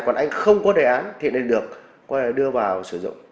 còn anh không có đề án thì nên được đưa vào sử dụng